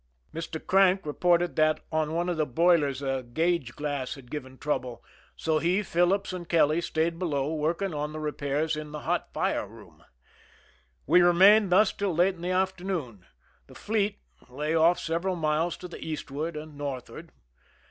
\ Mr. Crank reported that on one of the boilers a ^i gage glass had given trouble, so he, Phillips, and Kelly stayed below, working on the repairs in the hot fire room. We remained thus till late in the afternoon. The fleet lay off several miles to the eastward and north ward.